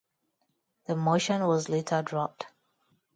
The motion was later dropped.